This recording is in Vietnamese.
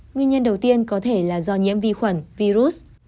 nguyên nhân đầu tiên có thể là do nhiễm vi khuẩn virus